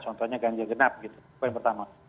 contohnya ganja genap gitu poin pertama